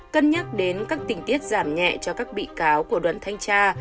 cân nhắc đến các tình tiết giảm nhẹ cho các bị cáo của đoàn thanh tra